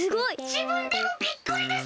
じぶんでもびっくりです！